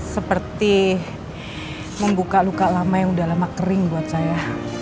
seperti membuka luka lama yang udah lama kering buat saya